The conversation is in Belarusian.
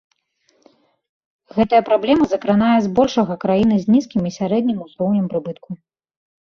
Гэтая праблема закранае збольшага краіны з нізкім і сярэднім узроўнем прыбытку.